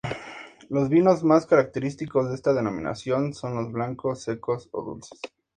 Los vinos más característicos de esta denominación son los blancos, secos o dulces.